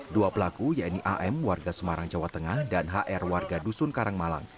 dua pelaku yaitu am warga semarang jawa tengah dan hr warga dusun karangmalang